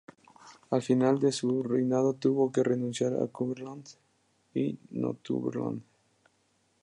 Al final de su reinado tuvo que renunciar a Cumberland y Northumberland.